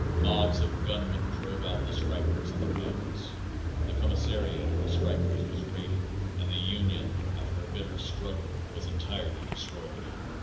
Mobs of gunmen drove out the strikers and their families, the commissariat of the strikers was raided and the union after a bitter struggle was entirely de stroyed.